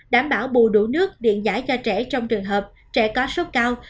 đảm bảo bù đủ nước điện giải cho trẻ trong trường hợp trẻ có sốt cao